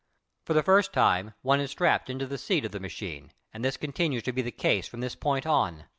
For the first time one is strapped into the seat of the machine, and this continues to be the case from this point on.